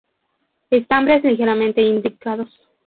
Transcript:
Estambres ligeramente imbricados.